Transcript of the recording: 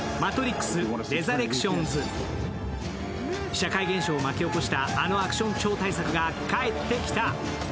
社会現象を巻き起こしたあのアクション超大作が帰ってきた。